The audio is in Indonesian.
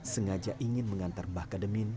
sengaja ingin mengantar mbah kademin